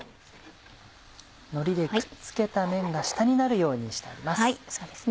のりでくっつけた面が下になるようにしてあります。